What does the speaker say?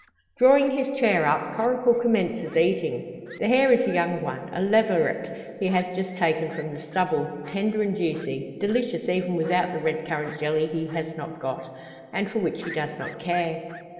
Drawing his chair up, Coracle commences eating. The hare is a young one a leveret he has just taken from the stubble tender and juicy delicious even without the red currant jelly he has not got, and for which he does not care.